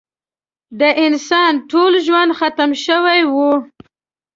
د انسان ټول ژوند ختم شوی وي.